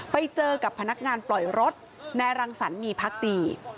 ไปเจอกับพนักงานปล่อยรถนายรังสรรคมีพักดี